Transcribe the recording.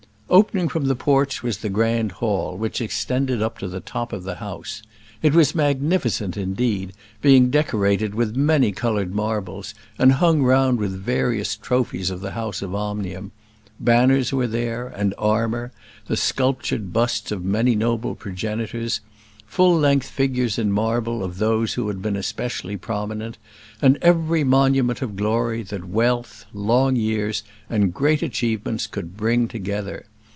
Opening from the porch was the grand hall, which extended up to the top of the house. It was magnificent, indeed; being decorated with many coloured marbles, and hung round with various trophies of the house of Omnium; banners were there, and armour; the sculptured busts of many noble progenitors; full length figures in marble of those who had been especially prominent; and every monument of glory that wealth, long years, and great achievements could bring together.